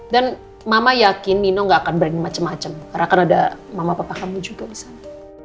dan mama yakin nino gak akan berani macem macem karena akan ada mama papa kamu juga di sana